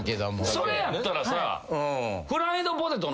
それやったらさ。